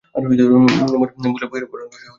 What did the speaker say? মূলের বহিরাবরণকে কী বলা হয়?